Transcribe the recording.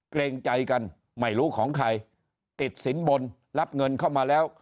เกรงใจกันไม่รู้ของใครติดสินบนรับเงินเข้ามาแล้ว